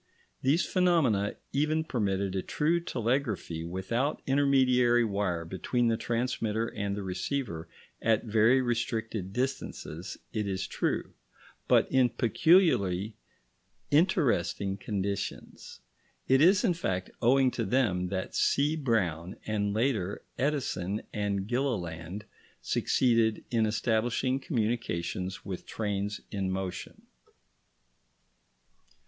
These phenomena even permitted a true telegraphy without intermediary wire between the transmitter and the receiver, at very restricted distances, it is true, but in peculiarly interesting conditions. It is, in fact, owing to them that C. Brown, and later Edison and Gilliland, succeeded in establishing communications with trains in motion.